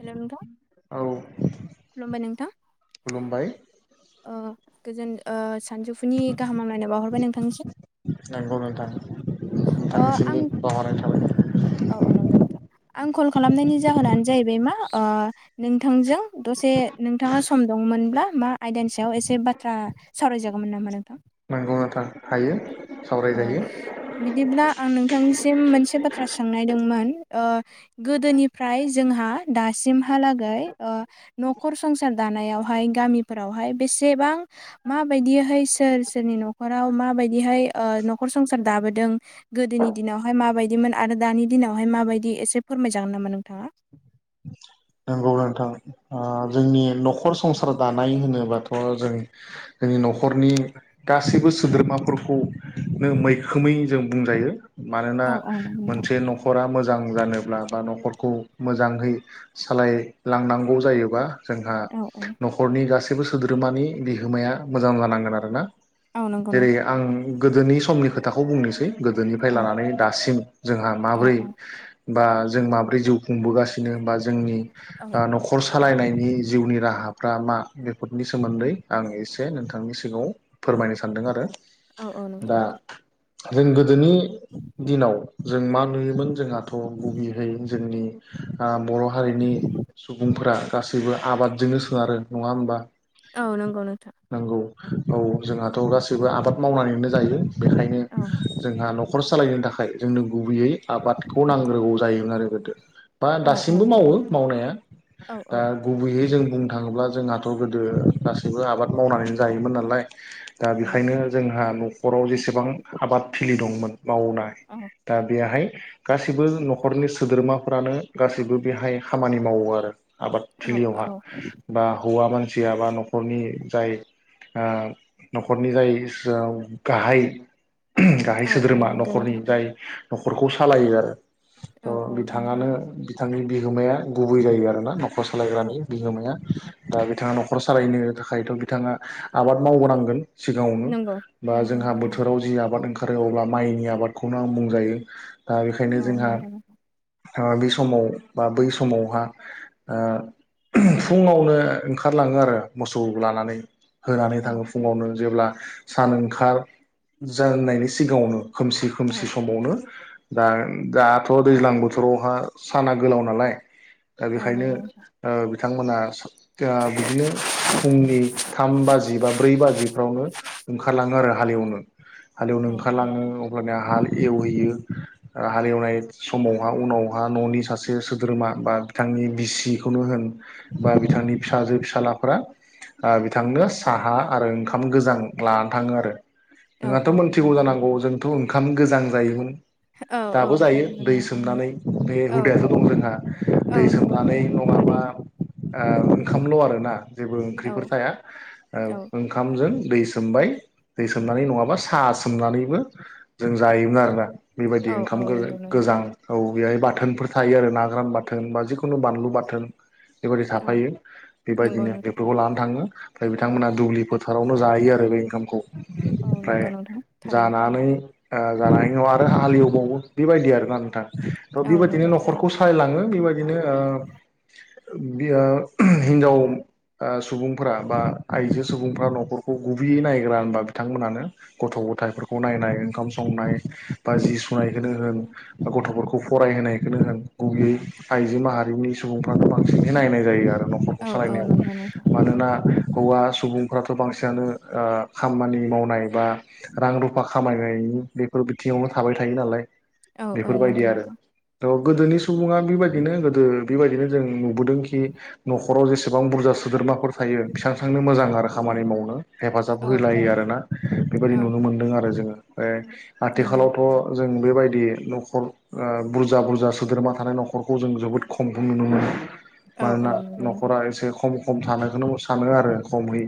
हेल' नोंथां। औ खुलुमबाय नोंथां। खुलुमबाय ओ गोजोन ओ सानजौफुनि गाहाम हामलायनाय बाहरबाय नोंथांनिसिम। नंगौ नोंथां ओ आं नोंथांनिसिमबो बावहरनाय थाबाय औ औ नंगौ नोंथां आं कल खालामनायनि जाहोनानो जाहैबाय मा ओ नोंथांजों दसे नोंथाङा सम दङ'मोनब्ला मा आयदानि सायाव एसे बाथ्रा सावरायजागौमोन नामा नोंथां? नंगौ नोथां हायो। अ सावरायजायो बिदिब्ला आं नोंथांनिसिम मोनसे बाथ थ्रा सोंनायदोंमोन। ओ गोदोनिफ्राय जोंहा दासिमहालागै ओ न'खर संसार दानायावहाय गामिफोरावहाय बेसेबां माबायदियैहै सोर सो जोंनि न'खराव माबायदिहाय ओ नखर संसार दाबोदों गोदोनि दिनावहाय माबायदिमोन आरो दानि दिनावहाय माबायदि एसे फो फोरमाय जागोन नामा नोंथाङा? नंगौ नोंथां। ओ जोंनि न'खर संसार दानाय होनोबाथ' जों जोंनि न'खरनि गासैबो सोद्रोमाफोरखौ नो मैखोमै जों बुंजायो। मानोना औ औ नंगौ नोंथां। मोनसे न'खरा मोजां जानोब्ला बा न'खरखौ मोजाङै सालायलांनांगौ जायोबा जोंहा औ न'खरनि गासै बो सैबो सोद्रोमानि बिहोमाया मोजां जानांगोन आरोना। औ नंगौ जेरै नोंथां। आं गोदोनि समनि खोथाखौ बुंनोसै गोदोनिफ्राय औ लानानै दासिम जोंहा औ माब्रै औ बा जों माब्रै जिउ खुंबोगासिनो बा जोंनि औ ओ न'खर सालायनायनि जिउनि राहाफ्रा मा? बेफोरनि सोमोन्दै आं एसे नोंथांनि सिगाङाव फोर फोरमायनो सानदों आरो। औ औ नंगौ दा नोंथां। जों गोदोनि दिनाव जों मा नुयोमोन जोंहाथ' गुबैयै जोंनि ओ बर' हारिनि सुबुंफोरा गासैबो आबादजोंनो सोनारो। नङा होमबा? औ नंगौ नोंथां। नंगौ औ जोंहाथ' गासैबो आबाद मावनानैनो जायो। बेखायनो औ जोंहा न'खर सालायनो थाखाय जोंनो गुबैयै आबादखौ नांग्रोगौ जायोमोन आरो बेखो बा औ दास औ नंगौ मावो नोंथां मावनाया औ दा औ गुबै बे जों बुंनो थाङोब्ला जोंहाथ' गोदो गासैबो आबाद मावनानै जायोमोन नालाय दा औ बेखायनो जोंहा न'खराव जेसेबां आबाद थिलि दंमोन मावनाय दा बेहाय गासिबो न'खरनि सोद्रोमाफोरानो गासिबो बेहाय खामानि मावो आरो आबाद औ थिलियावहा औ बा हौवा मान सिया बा न'खरनि जाय आ न'खरनि जाय गाहाय गाहाय औ औ सोद्रोमा नंगौ न'खरनि नोंथां जाय न'खरखौ सालायो आरो औ ओ औ नंगौ बिथाङानो बिथांनि बिगोमाया गुबै जायो आरोना। न' खर औ सालायग्रानि बिहोमाया दा बिथाङा न'खर सालायनो थाखायथ' बिथाङा आबाद मावबोनांगोन। सिगांङावनो नंगौ बा नंगौ जोंहा नंगौ बोथोराव जि आबाद ओंखा ओंखारो अब्ला माइनि आबादखौनो बुंजायो ओ बेखायनो औ जोंहा नंगौ नोंथां बे समाव बा बै समावहा ओ फुंङावनो ओंखारलांङो आरो मोसौ लानानै होनानै औ थांङो औ फुंङावनो जेब्ला सान ओंखार जेननायनि सिगांङावनो खोमसि औ खोमसि समावनो दा दाथ' दैज्लां बोथोरावहा साना गोलाव नालाय दा औ बेखायनो नंगौ नोंथां ओ बिथांमोना बिदिनो फुंनि थाम बाजि बा ब्रै बाजिफ्रावनो ओंखारलांङो आरो हालेवनो हालेवनो औ औ ओंखारलांङो अब्लानिया हाल एवहैयो ओ हाल एवनाय समावहा उनावहा न'नि सासे सोद्रोमा बा बिथांनि बिसिखौनो होन बा बिथांनि फिसाजो फिसालाफोरा ओ बिथांनो साहा आरो ओंखाम गोजां लानानै थांङो आरो औ नोंहाथ' औ मोनथिगौ नंगौ नोंथां जानांगौ जोंथ' ओंखाम गोजां जायोमोन। औ औ दाबो औ जायो नंगौ दै नोंथां सोमनानै बे औ औ हुदायाथ' दं जोंहा औ दै नंगौ सोमनानै नोंथां नंङाबा थारैनो ओ ओंखामल' आरोना जेबो औ ओंख्रिफोर थाया ओ औ ओंखामजों दै सोमबाय दै सोमनानै नंङाबा सा सोमनानैबो जों जायोमोन आरोना बेबायदि औ ओंखाम औ गोज नंगौ नोंथां गोजां औ बेहाय बाथोन फोर थायो आरो ना ग्रान बाथोन बा जिखुनु बानलु बाथोन बेबायदि औ थाफायो नंगौ बेबायदिनो नोंथां बेफोरखौ लानो थांङो ओमफ्राय बिथांमोना दुब्लि फोथारावनो जायो आरो बे ओंखामखौ। औ ओमफ्राय नंगौ नोंथां थारैनो जानानै ओ जानाय उनाव आरो हालेवबावो बेबायदि आरोना नोंथां थ' औ बेबायदिनो नंगौ न'खरखौ थारैनो सालायलांङो हो बेबायदिनो ओ बिया हिनजाव ओ सुबुंफोरा बा आइजो सुबुंफोरा न'खरखौ गुबैयै नायग्रा होनबा बिथांमोनानो गथ' गथायफोरखौ नायनाय ओंखाम संनाय बा जि सुनायखौनो होन बा गथ'फोरखौ फरायहोनाय खौनो होन गुबैयै आइजो माहारिनि सुबुंफ्रानो बांसिनै नायनाय जायो आरो न'खरखौ औ औ सालायनायाव नंगौ नोंथां औ मानोना हौवा सुबुंफ्राथ' बांसिनानो ओ खामानि मावनाय बा रां रुफा खामायनायनि बेफोर बिथिङावनो थाबाय थायो नालाय औ औ बेफोरबायदि नंगौ आरो नंगौ थ' गोदोनि सुबुङा बेबायदिनो गोदो बेबायदिनो जों नुबोदोंखि नखर न'खराव जेसेबां बुरजा सोद्रोमाफोर थायो बेसेबां थांनो मोजां आरो खामानि मावनो। हेफाजाब औ होलायो औ आरोना बेबायदि औ नुनो मोनदों आरो जोङो बेफ्राय नंगौ आथिखालावथ' जों बेबायदि न'खर ओ बुर बुरजा बुरजा सोद्रोमा थानाय न'खरखौ जों जोबोद खमखौ नुनो मोनो। औ औ मानोना नंगौ नोंथां न'खरा एसे खम खम थानोखौनो सानो आरो खमै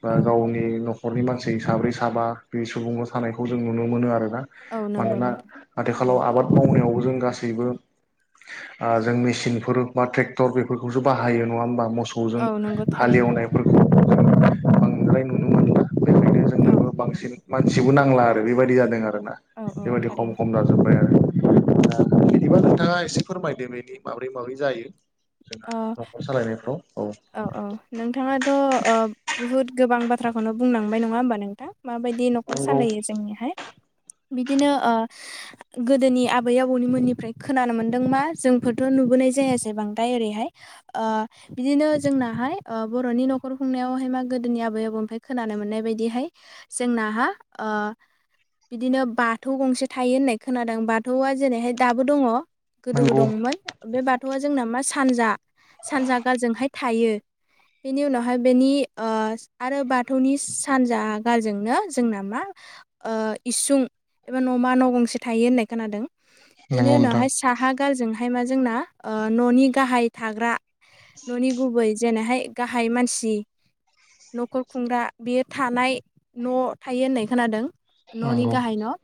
बा औ गावनि न'खरनि मानसि साब्रै साबा बे सुबुंङाव थानायखौ जों नुनो मोनो आरोना औ नंगौ मानोना नोंथां आथिखालाव थारैनो आबाद मावनायावबो जों गासै गासैबो जों मेचिनफोर बा ट्रेक्टर बेफोरखौसो बाहायो नंङा होमबा? मोसौजों औ नंगौ थारैनो हालेवनायफोरखौ जों बांद्राय नुनो मोनला। बेखायनो औ जोंनोबो बांसिन मानसिबो नांला आरो बेबायदि जादों आरो। आरोना औ औ बेबायदि खम थारैनो खम जाजोबबाय आरो। दा बिदिबा नोंथाङा एसे फोरमायदो बेनि माब्रै माब्रै जायो। जोंहा अ' न'खर सालायनायफ्राव औ औ नोंथांङाथ' बुहुत गोबां बाथ थ्राखौनो बुंलांबाय नंङा होमबा नोंथां? माबायदि न'खर नंगौ सालायो जोंनिहाय? बिदिनो ओ गोदोनि आबै आबौनि मोननिफ्राय खोनानो मोन्दों मा जोंफोरथ' नुबोनाय जायासैजै बांद द्राय ओरैहाय ओ बिदिनो जोंनाहाय ओ बर'नि न'खर खुंनायावहाय मा गोदोनि आबौ आबौ निफ्राय खोनानो मोननाय बायदिहाय जोंनाहा ओ बिदिनो बाथौ गंसे थायो होननाय खोनादों बाथौआ जेरैहाय दाबो दङ गोदोबो नंगौ दंमोन बे बाथौआ जोंना मा सानजा सानजा गारजोंहाय थायो। बेनि उनावहाय बेनि ओ आरो बाथौनि सानजा गारजोंनो जोंना मा ओ इसुं एबा न'मा न' गंसे थायो होननाय खोनादों। बेनि नंगौ नोंथां उनावहाय साहा गारजोंहाय मा जोंना न'नि गाहाय थाग्रा न'नि गुबै जेरैहाय गाहाय मानसि न'खर खुंग्रा बेयो थानाय न' थायो होननाय खोनादों। न'नि नंगौ गाहाय न'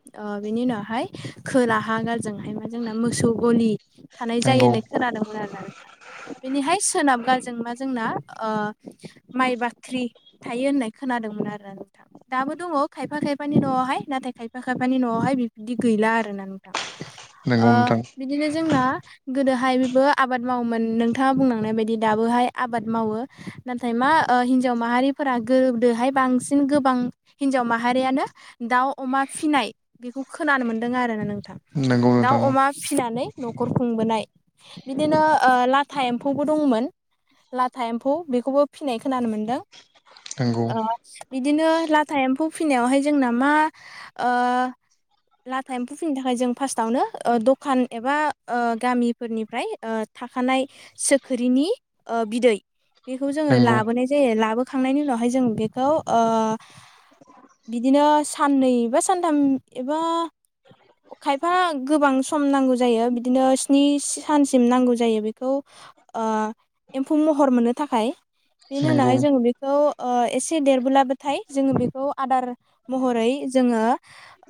बिनि उनावहाय खोलाहा गारजोंहाय मा जोंना मोसौ गलि थानाय जायो होननाय खोनादोंमोन आरोना नोंथां। बेनिहाय सोनाब गालजों मा जोंना ओ माइ बाख्रि थायो होननाय खोनादोंमोन आरोना नोंथां दाबो दङ खायफा खायफानि न'आवहाय नाथाय खायफा खायफानि न'आवहाय बिबदि गैला आरोना नोंथां। ओ नोंथां बिदिनो जोंना गोदोहाय बेबो आब बाद मावोमोन नोंथाङा बुंलांनाय बायदि दाबोहाय आबाद मावो नाथाय मा ओ हिनजाव माहारिफोरा आ गोदोहाय बांसिन गोबां हिनजाव माहारियानो दाउ अमा फिसिनाय बेखौ खोनानो मोन्दों आरोना नों नंगौ दाव नोंथां अमा फिसिनानै न'खर खुंबोनाय बिदिनो ओ ला था एम्फौबो दंमोन लाथा एम्फौ बेखौबो फिनायख खोनानो मोनदों नंगौ ओ बिदिनो लाथा एम्फौ फिनायावहाय जोंना मा ओ लाथा एम्फौ फिनो थाखाय जों फार्स्टआवनो द'खान एबा ओ गामिफोरनिफ्राय ओ थाखानाय सोखिरिनि ओ बिदै बेखौ जोङो नंगौ लाबोनाय जायो लाबो खांनायनि उनावहाय जों बेखौ ओ बिदिनो साननै बा सानथाम एबा खायफा गोबां सम नांगौ जायो बिदिनो स्नि सानस [unintelligible] नांगौ जायो बेखौ ओ एम्फौ महर मोननो थाखाय। बेनि औ उनावहाय जोङो बेखौ ओ एसे देरबोलाबोथाय जोङो बेखौ आदार महरै जोङो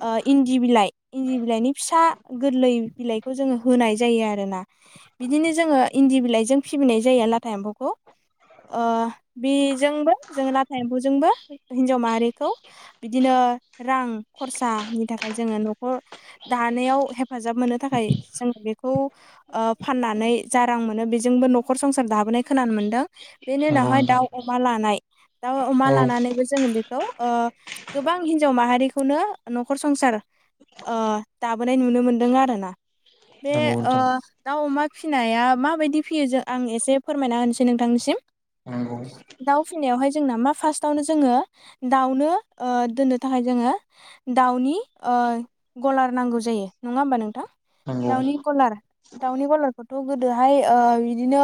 ओ इन्दि बिलाइ इन्दि बिलाइनि फिसा गोरलै बिलाइखौ जोङो होनाय जायो आरोना। बिदिनो जोङो इन्दि बिलाइजों फिबोनाय जायो लाथा एम्फौखौ। ओ बेजोंबो जों लाथा एम्फौजोंबो हिनजाव माहारिखौ बिदिनो ओ रां खरसानि थाखाय जोङो न'खर दानायाव हे हेफाजाब मोननो थाखाय जोङो बेखौ ओ फाननानै जा रां मोनो बेजोंबो न'खर संसार दाबोनाय खोनानो मोनदों। बेनि नंगौ उनावहाय नोंथां दाव अमा लानाय दाउ अमा औ लानानैबो जोङो बेखौ ओ गोबां हिनजाव माहारिखौनो न'खर संसार ओ दाबोनाय नुनो मोनदों आरोना। बे नंगौ नोंथां ओ दाउ अमा फिनाया माबायदि फियो जों आं एसे फोरमायना होनोसै नोंथांनिसिम। नंगौ दाव फिनायावहाय जोंना मा फार्स्टआनो जोङो दाउनो ओ दोननो थाखाय जोङो दाउनि ओ ओ गलार नांगौ जायो नङा होमबा नोंथां नंगौ दावनि गलार दाउनि गलारखौथ' गोदोहाय ओ बिदिनो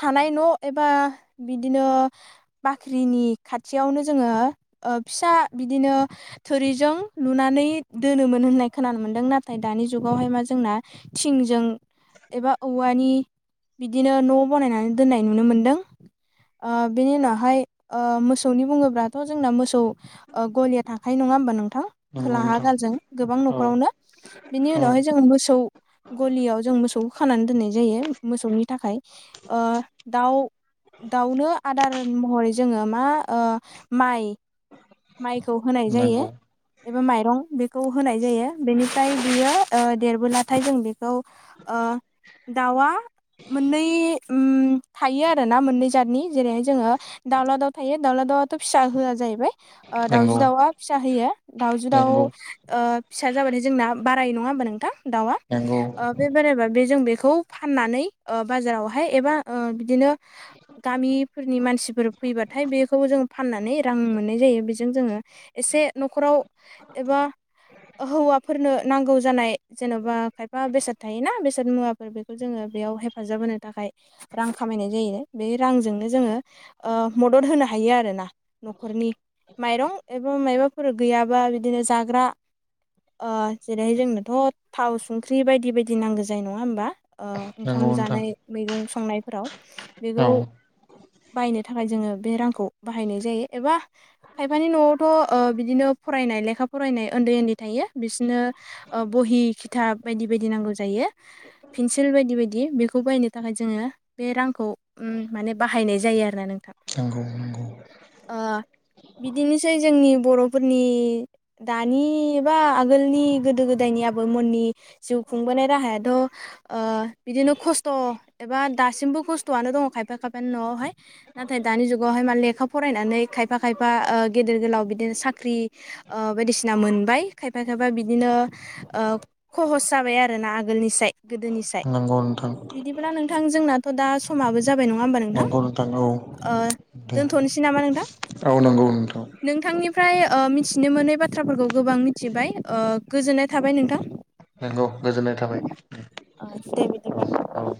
थानाय न' एबा बिदिनो ओ बाख्रिनि खाथियावनो जोङो ओ फिसा बिदिनो थोरिजों जों लुनानै दोनोमोन होननाय खोनानो मोन्दों नाथाय दानि जुगावहाय मा जोंना थिंजों एबा औवानि बिदिनो न' बनायनानै दोननाय नुनो मोनदों। ओ बेनि उनावहाय ओ मोसौनि बुङोब्लाथ' जोंना मोसौ ओ गलिया थाखायो नङा होमबा नों थां नंगौ खोलाहा नोंथां गालजों गोबां औ न'खरावनो बिनि औ उनावहाय जोङो मोसौ गलियाव जों मोसौखौ खानानै दोननाय जायो मोसौनि थाखाय ओ दाउ दाउनो आदार महरै जोङो मा ओ माइ माइ खौ होनाय जायो। नंगौ एबा माइरं बेखौ होनाय जायो बेनिफ्राय बियो देरबोलाथाय जों बेखौ ओ दाउआ मोननै उम थायो आरो ना मोननै जातनि जेरैहाय जोङो दावला दाउ थायो दावला दाउ दाउआथ' फिसा होआ जाहैबाय ओ दाउजो नंगौ दाउआ फिसा होयो दाउजो दाउ नंगौ ओ फिसा जाबाथाय जोंना बारायो नङा होमबा नोंथां दाउआ नंगौ ओ ओ बे जों बेखौ फाननानै ओ बाजारावहाय एबा ओ बिदिनो गामिफोरनि मानसिफोर फैबाथाय बेखौबो जों फाननानै रां मोननाय जायो बिजों जोङो एसे न'खराव एबा हौवाफोरनो नांगौ जानाय जेन'बा खायफा बेसाद थायोना बेसाद मुवाफोर बेखौ जोङो बेयाव हेफाजाब होनो थाखाय रां खामायनाय जायो बे रांजों नो ओ जोङो मदद होनो हायो आरो ना नखरनि माइरं एबा मायबाफोर गैयाबा बिदिनो जाग्रा ओ जेरैहाय जोंनोथ' थाव संख्रि बायदि बाय दि नांगौ जायो नङा होमबा ओ नंगौ ओंखाम नोंथां जानाय मैगं संनायफोराव बेखौ बायनो थाखाय जोङो बे रांखौ बाहायनाय जायो एबा खायफानि नआवथ' ओ बिदिनो फरायनाय लेखा फरायनाय ओन्दै ओन्दै थायो बिसिनो ओ बहि खिथाब बायदि बायदि नांगौ जायो पिनसिल बायदि बायदि बेखौ बायनो थाखाय जोङो बे रांखौ उम माने बाहा यनाय जायो आरो ना नोंथां नंगौ नंगौ। ओ बिदिनोसै जोंनि बर'फोरनि दानि बा आगोलनि गोदो गोदाय नि आबौमोननि जिउ खुंबोनाय राहायाथ' ओ बिदिनो खस्थ' एबा दासिमबो खस्थ'आनो दङ खायफा खायफानि नआव हाय नाथाय दानि जुगावहाय मा लेखा फरायनानै खायफा खायफा ओ गेदेर गोलाव बिदिनो साख्रि ओ बायदिसिना मोनबाय खायफा खायफा बिदिनो ओ खहस जाबाय आरो आरो ना आगोलनि साय गोदोनि साय नंगौ नोंथां बिदिब्ला नोंथां जोंनाथ' दा समाबो जाबाय नङा होमबा नोंथां? नंगौ औ ओ दे दोनथ'नोसै नामा नोंथां औ नंगौ नोंथां नोंथांनि ओमफ्राय मिथिनो मोनै बाथ्राफोरखौ गोबां मिथिबाय ओ गोजोननाय थाबाय नोंथां नंगौ गोजोननाय थाबाय ओ दे औ बिदिब्ला औ